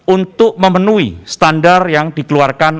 untuk memenuhi standar yang dikeluarkan